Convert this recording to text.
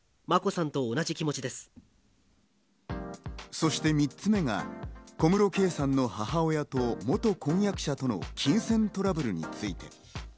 そして３つ目が小室圭さんの母親と元婚約者との金銭トラブルについて。